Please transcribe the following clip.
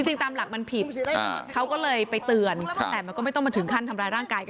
ตามหลักมันผิดเขาก็เลยไปเตือนแต่มันก็ไม่ต้องมาถึงขั้นทำร้ายร่างกายกัน